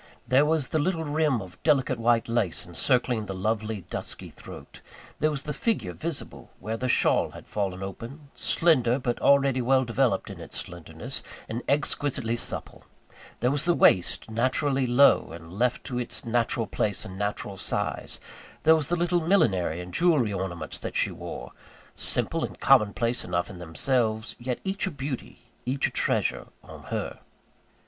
There was the little rim of delicate white lace, encircling the lovely, dusky throat; there was the figure visible, where the shawl had fallen open, slender, but already well developed in its slenderness, and exquisitely supple; there was the waist, naturally low, and left to its natural place and natural size; there were the little millinery and jewellery ornaments that she wore simple and common place enough in themselves yet each a beauty, each a treasure, on _her.